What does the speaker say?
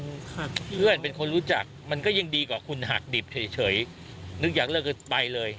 เฉยนึกอยากเลิกกันไปเลยทิ้งเลย